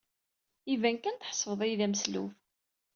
Iban kan tḥesbed-iyi d ameslub.